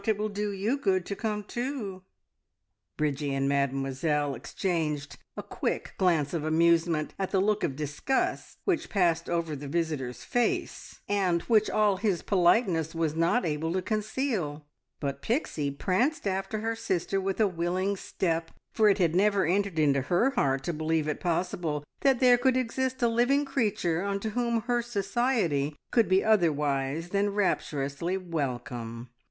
It will do you good to come too." Bridgie and Mademoiselle exchanged a quick glance of amusement at the look of disgust which passed over the visitor's face, and which all his politeness was not able to conceal; but Pixie pranced after her sister with willing step, for it had never entered into her heart to believe it possible that there could exist a living creature unto whom her society could be otherwise than rapturously welcome.